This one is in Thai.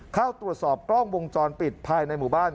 เข้าตรวจสอบกล้องวงจรปิดภายในหมู่บ้าน